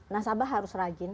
nasabah harus rajin